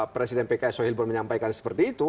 presiden pks sohibul menyampaikan seperti itu